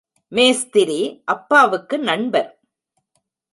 மேஸ்திரி அப்பாவுக்கு நண்பர்.